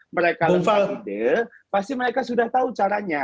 mereka lepas ide pasti mereka sudah tahu caranya